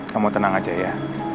kamu tenang aja ya